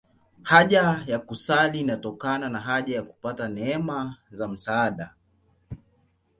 Haja ya kusali inatokana na haja ya kupata neema za msaada.